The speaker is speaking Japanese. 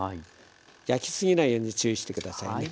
焼き過ぎないように注意して下さいね。